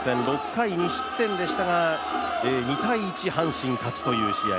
６回２失点でしたが、２−１、阪神勝ちという試合。